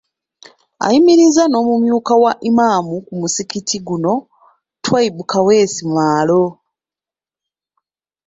Ayimirizza n'omumyuka wa Imam ku muzikiti guno, Twaibu Kaweesi Maalo.